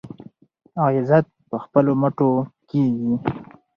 عزت په خپلو مټو کیږي.